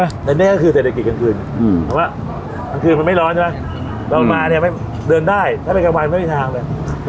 เพราะว่าตอนคืนมันไม่ร้อนใช่ไหมอืมเรามาเนี้ยไม่เดินได้ถ้าเป็นกรรมวันไม่มีทางเลย